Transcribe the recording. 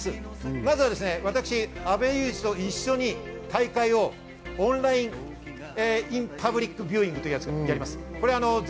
まずは私、阿部祐二と一緒に大会をオンラインパブリックビューイングをやります。